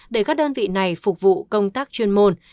để các đơn vị này phục vụ công tác chuyên môn